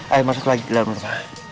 ayo masuk lagi ke dalam masa